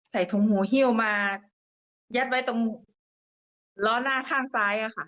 ใส่ถุงหูหิวมาแยะไว้ตรงล้อหน้าข้างซ้าย